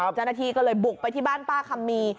เจ้าหน้าที่ก็เลยบุกไปที่บ้านป้าคำมี